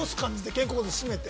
肩甲骨を締めて？